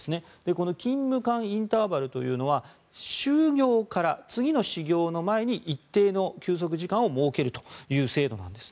この勤務間インターバルというのは終業から次の始業の間に一定の休息時間を設けるという制度なんです。